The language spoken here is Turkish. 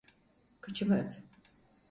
Kıçımı öp!